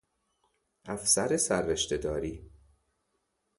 افسر سررشته داری